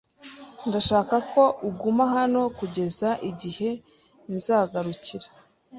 Ndashaka ko uguma hano kugeza igihe nzagarukira.